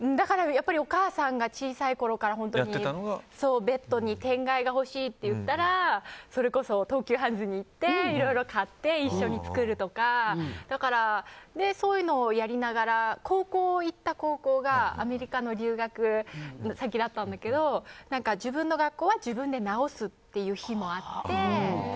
やっぱりお母さんが小さいころからベッドに天蓋が欲しいと言ったらそれこそ東急ハンズに行っていろいろ買って一緒に作るとかそういうのをやりながら行った高校がアメリカの留学先だったんだけど自分の学校は自分で直すという日もあって。